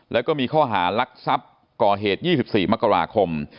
แล้วก็มีข้อหารักทรัพย์ก่อเหตุยี่สิบสี่มกราคม